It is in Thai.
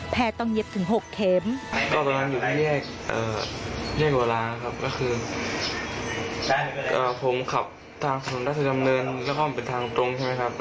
แพ้ต้องเย็บถึง๖เค็ม